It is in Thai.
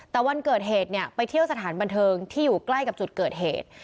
แต่วันเกิดเหตุเนี่ยไปเที่ยวสถานบันเทิงที่อยู่ใกล้กับจุดเกิดเหตุ